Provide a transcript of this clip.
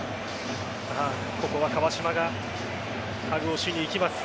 ここは川島がハグをしに行きます。